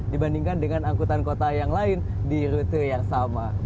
dibandingkan dengan angkutan kota yang lain di rute yang sama